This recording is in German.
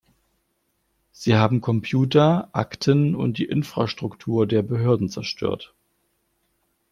Sie haben Computer, Akten und die Infrastruktur der Behörden zerstört.